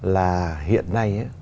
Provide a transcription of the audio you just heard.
là hiện nay